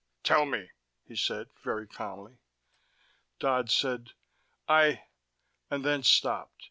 "Tell me," he said, very calmly. Dodd said: "I " and then stopped.